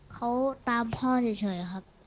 เขาตามพ่อเฉยครับ